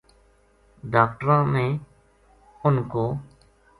ڈاکٹراں نے اُنھ کو اُ